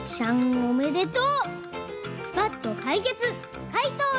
おめでとう！